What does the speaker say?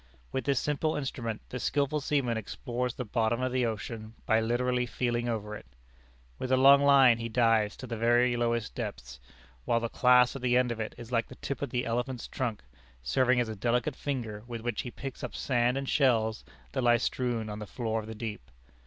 With this simple instrument the skilful seaman explores the bottom of the ocean by literally feeling over it. With a long line he dives to the very lowest depths, while the clasp at the end of it is like the tip of the elephant's trunk, serving as a delicate finger with which he picks up sand and shells that lie strewn on the floor of the deep.